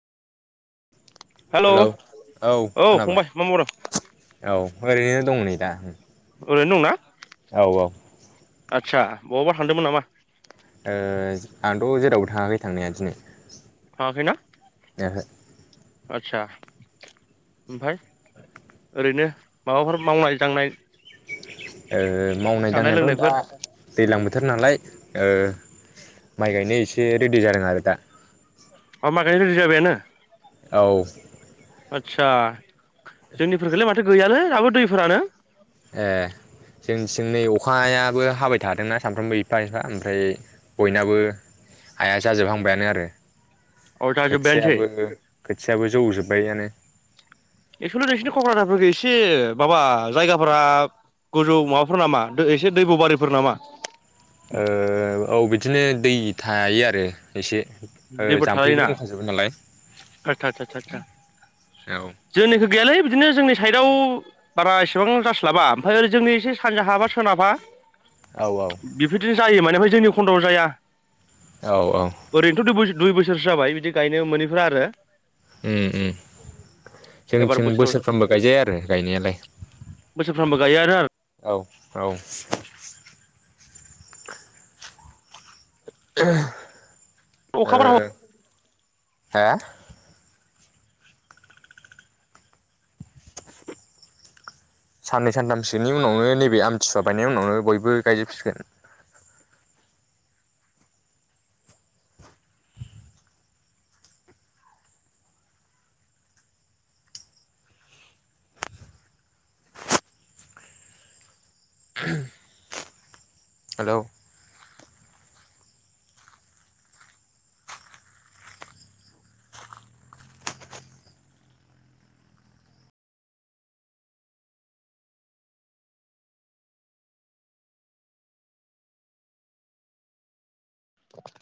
हेल' hello औ फंबाय मा मावदों? औ ओरैनो दं नै दा। ओरैनो दंना? औ औ। आदसा बबबा थान्दोंमोन नामा? ओ आंथ' जेरावबो थाङाखै थांनाया दिनै। थांगाखौना? ओहो। आचसा ओमफ्राय ओरैनो माबाफोर मावनाय दांनाय? ओ मावनाय जानाय दांनायाथ' दा लोंनायफोर दैलां बोथ बोथार नालाय ओ माइ गायनो एसे रेडि जादों आरो दा। अ मााखायनो रेडि जाबायानो? औ। आदसा जोंनि फोरखलै माथो गैयालै दाबो दैफोरानो। ए जोंथिं नै अखायाबो हाबाय थादोंना सामफ्रोमबो एफा एफा ओमफ्राय बयनाबो हाया जाजोबहांबायानो आरो। अरथा जोब्बायानोसै खोथियाबो खोथियाबो जौजोब बैआनो एक्सुवुलि नोंसिनि क'क्राझारफोरखौ एसे माबा जायगाफोरा गोजौ माबाफोर नामा एसे दै बबारिफोर नामा? ओ औ बि बिदिनो दै थायो आरो एसे ओ दैबो जाम्फैबो थालायोना दंखाजोबो नालाय आतसा आतसा आतसा औ जोंनिखौ गैयालै बिदिनो जोंनि साइडआव बारा इसेबां जाास्लाबा ओमफ्राय ओरै जोंनि एसे सानजा हाबा सोनाबहा औ औ बेफोरदि जायो मा बेनिफ्राय जोंनि खन्दआव जाया। औ औ। ओरैनोथ' दुइ दुइ बोसोरसो जाबाय बिदि गायनो मोनैफ्रा आरो उम उम एबार जोंथिं बोसोराव बोसोरफ्रामबो गायजाया आरो गायनायालाय बोसोरफ्रामबो गायो आरो आरो औ औ । [unintelligible] ओ अखाफोर हाबा हो साननै सानथामसोनि उनावनो नैबे आमथिसुवा बायनायनि उनावनो बयबो गायजोबसिगोन [inaudible] हेलौ [inaudible]